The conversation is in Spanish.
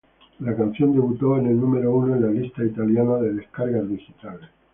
La canción debutó en el número uno en la lista italiana de descargas digitales.